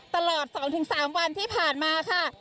ตลอดสองถึงสามวันที่ผ่านมาค่ะ